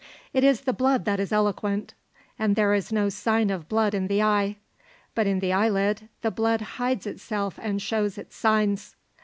It is the blood that is eloquent, and there is no sign of blood in the eye; but in the eyelid the blood hides itself and shows its signs.